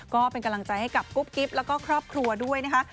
ก็เป็นกำลังใจให้กับกุ๊บกิ๊บแล้วก็ครอบครัวด้วยนะคะ